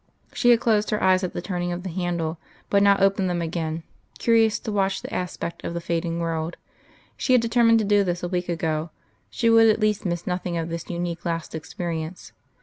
She had closed her eyes at the turning of the handle, but now opened them again, curious to watch the aspect of the fading world. She had determined to do this a week ago: she would at least miss nothing of this unique last experience.